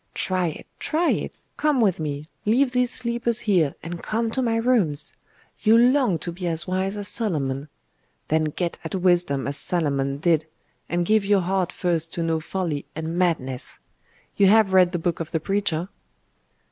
Try it! try it! Come with me! Leave these sleepers here, and come to my rooms. You long to be as wise as Solomon. Then get at wisdom as Solomon did, and give your heart first to know folly and madness.... You have read the Book of the Preacher?